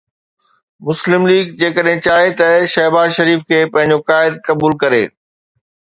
مسلم ليگ جيڪڏهن چاهي ته شهباز شريف کي پنهنجو قائد قبول ڪري.